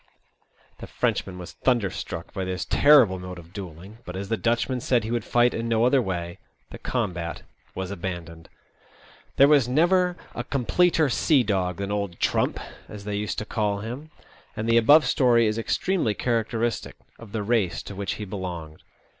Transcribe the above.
The Frenchman was thunderstruck by this terrible mode of duelling, but, as the Dutchman said he would fight in no other way, the combat was abandoned. There was never a completer sea dog than old " Trump," as they used to call him ; and the above story is extremely characteristic of the race to which he belonged.